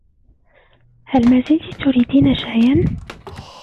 هل مازلتِ تريدين شاياً ؟